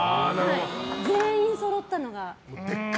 全員そろったのが。